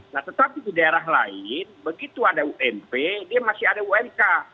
nah tetapi di daerah lain begitu ada ump dia masih ada umk